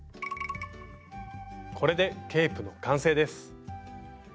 これでケープの完成です！